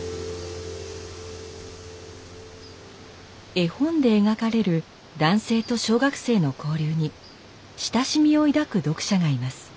絵本で描かれる男性と小学生の交流に親しみを抱く読者がいます。